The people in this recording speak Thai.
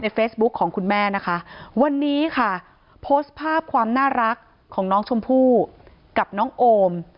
เฟซบุ๊คของคุณแม่นะคะวันนี้ค่ะโพสต์ภาพความน่ารักของน้องชมพู่กับน้องโอม